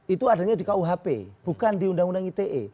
itu adanya di kuhp bukan di undang undang ite